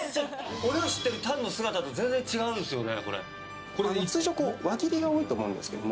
知ってるタンの姿と全然違うんですよね。